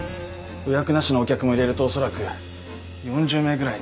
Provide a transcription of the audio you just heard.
予約なしのお客も入れると恐らく４０名ぐらいに。